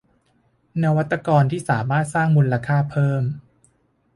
นวัตกรที่สามารถสร้างมูลค่าเพิ่ม